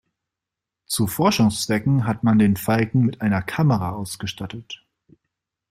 Zu Forschungszwecken hat man den Falken mit einer Kamera ausgestattet.